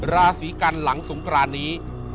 ราศีกันหลังสงครานนี้